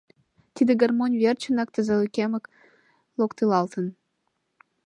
Тиде гармонь верчынак тазалыкемат локтылалтын.